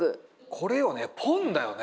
これよねポンだよね。